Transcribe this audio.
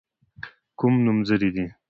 کوم نومځري دي.